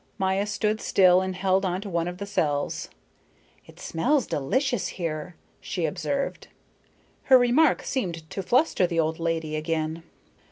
Maya stood still and held on to one of the cells. "It smells delicious here," she observed. Her remark seemed to fluster the old lady again.